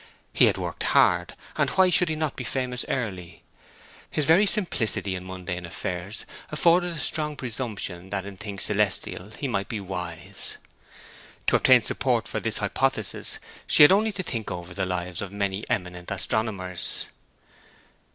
He had worked hard, and why should he not be famous early? His very simplicity in mundane affairs afforded a strong presumption that in things celestial he might be wise. To obtain support for this hypothesis she had only to think over the lives of many eminent astronomers.